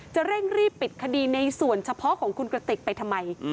จะเร่งรีบปิดคดีในส่วนเฉพาะของคุณกระติกไปทำไม